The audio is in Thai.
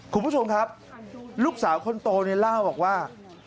คุณผู้ชมครับลูกสาวคนโตเนี่ยเล่าบอกว่า